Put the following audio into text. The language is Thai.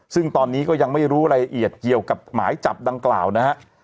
ซึ่งตอนนี้ก็ยังไม่รู้รายละเอียดเกี่ยวกับหมายจับดังกล่าวนะฮะ